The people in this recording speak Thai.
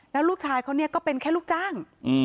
แล้วลูกชายเขาก็เป็นแค่ลูกจ้าง